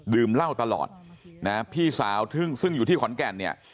เหล้าตลอดนะพี่สาวทึ่งซึ่งอยู่ที่ขอนแก่นเนี่ย